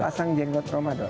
pasang jenggot ramadhan